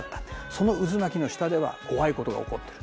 その渦巻きの下では怖いことが起こってる。